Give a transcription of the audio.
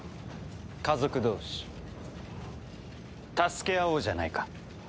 家族同士助け合おうじゃないか。